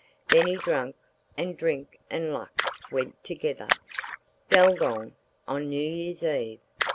Then he drank, and drink and luck went together. Gulgong on New Year's Eve!